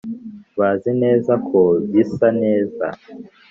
bazi neza ko bisa neza,